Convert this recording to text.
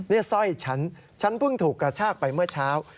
นี่สร้อยฉันฉันเพิ่งถูกกระชากไปเมื่อเช้า